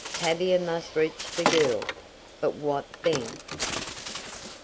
Tavia must reach the girl; but what then?